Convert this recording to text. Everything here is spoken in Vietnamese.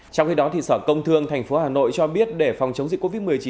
trong khi đó sở công thương tp hà nội cho biết để phòng chống dịch covid một mươi chín